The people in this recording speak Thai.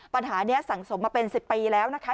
ปัญหานี้สั่งสมมาเป็น๑๐ปีแล้วนะคะ